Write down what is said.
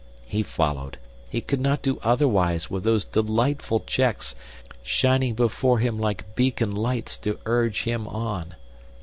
He followed. He could not do otherwise with those delightful checks shining before him like beacon lights to urge him on.